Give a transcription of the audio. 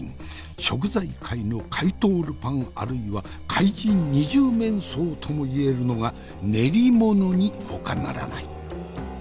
食材界の怪盗ルパンあるいは怪人二十面相ともいえるのが練り物にほかならない。